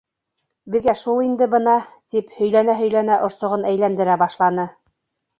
Беҙгә шул инде бына, — тип һөйләнә-һөйләнә орсоғон әйләндерә башланы.